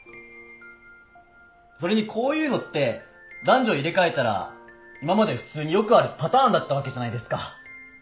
それにこういうのって男女入れ替えたら今まで普通によくあるパターンだったわけじゃないですか。